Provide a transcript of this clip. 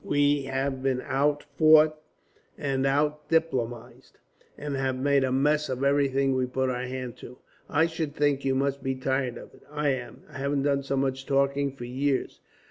We have been out fought and out diplomatized, and have made a mess of everything we put our hand to. I should think you must be tired of it. I am. I haven't done so much talking, for years."